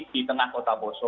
di tengah kota bosho